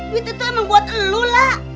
bid itu emang buat elu lah